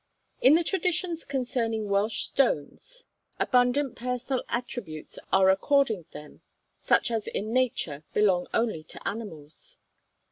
In the traditions concerning Welsh stones, abundant personal attributes are accorded them, such as in nature belong only to animals.